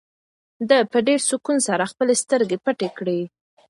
ده په ډېر سکون سره خپلې سترګې پټې کړې.